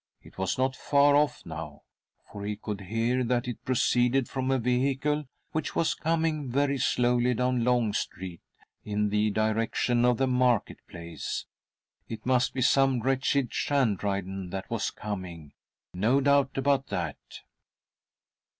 It was not far off now, for he could hear . that it proceeded from a vehicle which was coming very slowly down Long Street in the direction of the market place. It must be some wretched . shandrydan that was coming, no doubt about that.